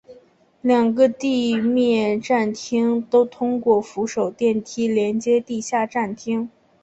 两个地面站厅都通过扶手电梯连接地下站厅。